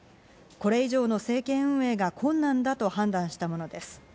これ以上の政権運営が困難だと判断したものです。